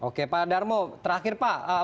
oke pak darmo terakhir pak